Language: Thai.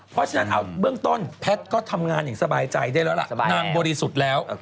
เพราะฉะนั้นเอาเบื้องต้นแพทย์ก็ทำงานอย่างสบายใจได้แล้วล่ะนางบริสุทธิ์แล้ว